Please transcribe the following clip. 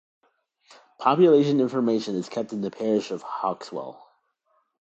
Population information is kept in the parish of Hauxwell.